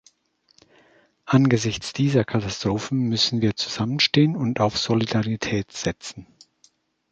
Angesichts dieser Katastrophen müssen wir zusammenstehen und auf Solidarität setzen.